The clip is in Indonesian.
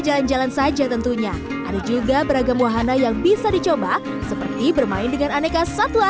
jalan jalan saja tentunya ada juga beragam wahana yang bisa dicoba seperti bermain dengan aneka satwa